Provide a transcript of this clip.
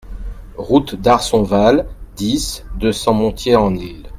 Route d'Arsonval, dix, deux cents Montier-en-l'Isle